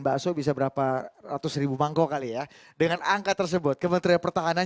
bakso bisa berapa ratus ribu mangkok kali ya dengan angka tersebut kementerian pertahanan